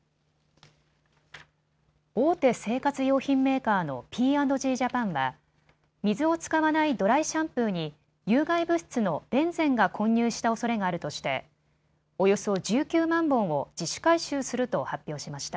大手生活用品メーカーのＰ＆Ｇジャパンは水を使わないドライシャンプーに有害物質のベンゼンが混入したおそれがあるとしておよそ１９万本を自主回収すると発表しました。